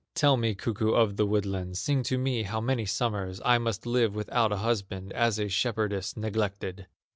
Tell me, cuckoo of the woodlands, Sing to me how many summers I must live without a husband, As a shepherdess neglected!"